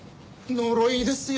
呪いですよ。